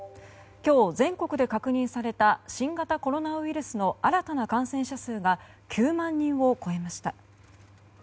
今日、全国で確認された新型コロナウイルスの新たな感染者数が９万人を超えました。